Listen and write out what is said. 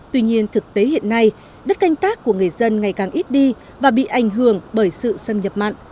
tuy nhiên thực tế hiện nay đất canh tác của người dân ngày càng ít đi và bị ảnh hưởng bởi sự xâm nhập mặn